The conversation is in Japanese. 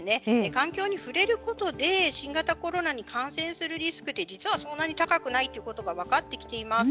環境に触れることで新型コロナに感染するリスクって実はそんなに高くないということが分かってきています。